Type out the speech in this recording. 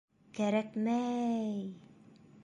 — Кәрәкмә-әй.